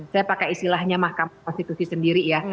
saya pakai istilahnya mahkamah konstitusi sendiri ya